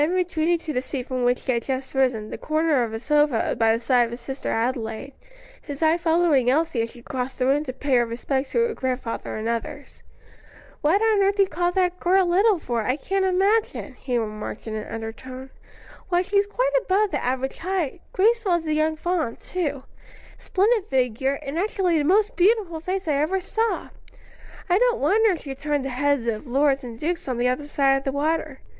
Then retreating to the seat from which he had just risen, the corner of a sofa by the side of his sister Adelaide, his eye following Elsie as she crossed the room to pay her respects to her grandfather and others. "What on earth you call that girl little for, I can't imagine," he remarked in an undertone; "why she's quite above the average height; graceful as a young fawn, too; splendid figure, and actually the most beautiful face I ever saw. I don't wonder she turned the heads of lords and dukes on the other side of the water.